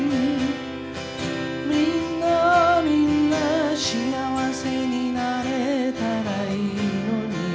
「みんなみんなしあわせになれたらいいのに」